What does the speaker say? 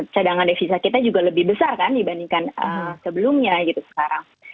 cadangan devisa kita juga lebih besar kan dibandingkan sebelumnya gitu sekarang